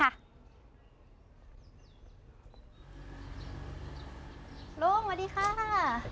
ลุงสวัสดีค่ะ